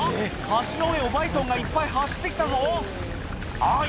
橋の上をバイソンがいっぱい走って来たぞあっ